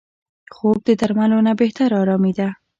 خوب د درملو نه بهتره آرامي ده